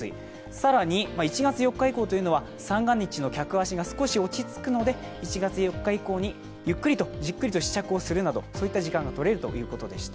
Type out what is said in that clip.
更に１月４日以降というのは、三が日の客足が少し落ち着くので１月４日以降にゆっくりと、じっくりと試着をするなどそういった時間がとれるということでした。